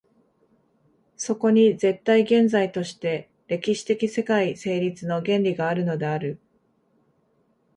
そこに絶対現在として歴史的世界成立の原理があるのである。